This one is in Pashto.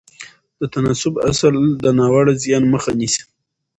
د تناسب اصل د ناوړه زیان مخه نیسي.